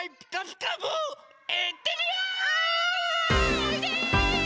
おいで！